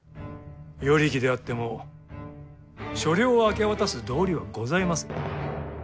与力であっても所領を明け渡す道理はございませぬ。